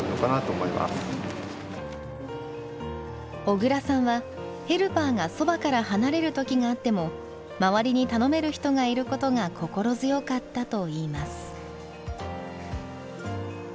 小椋さんはヘルパーがそばから離れる時があっても周りに頼める人がいることが心強かったと言います。